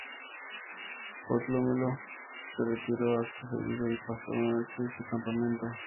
Ptolomeo se retiró acto seguido y paso la noche en su campamento.